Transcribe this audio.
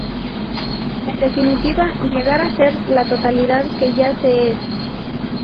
En definitiva, llegar a Ser la Totalidad que ya se Es.